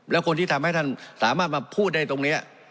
แล้วคนที่ทำให้ท่านสามารถมาพูดได้ตรงนี้